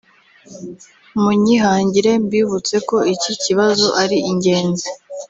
munyihangire mbibutse ko iki kibazo ari ingenzi